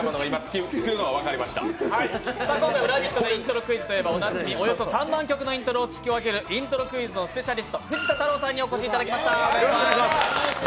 今回は「ラヴィット！」のイントロクイズといえばおなじみおよそ３万曲のイントロを聞き分ける藤田太郎さんにお越しいただきました。